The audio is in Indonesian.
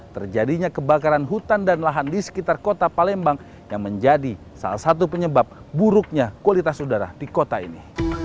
terjadinya kebakaran hutan dan lahan di sekitar kota palembang yang menjadi salah satu penyebab buruknya kualitas udara di kota ini